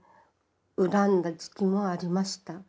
恨んだ時期もありました。